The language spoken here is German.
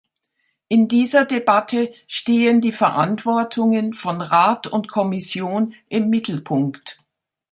In dieser Debatte stehen die Verantwortungen von Rat und Kommission im Mittelpunkt.